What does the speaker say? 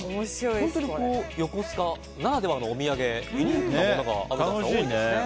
本当に横須賀ならではのお土産ユニークなものが多いですね。